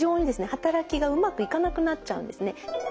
働きがうまくいかなくなっちゃうんですね。